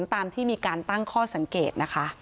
ตามที่มีการตั้งข้อสังเกตนะคะ